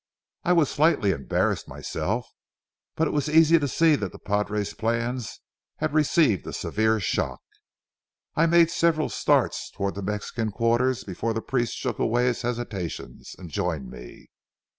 I was slightly embarrassed myself, but it was easily to be seen that the padre's plans had received a severe shock. I made several starts toward the Mexican quarters before the priest shook away his hesitations and joined me.